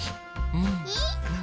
うん！